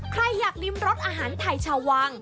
ใครอยากริมรสอาหารไทยชาววัง